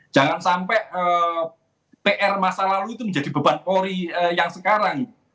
jangan sampai pr masa lalu itu menjadi beban polri yang sekarang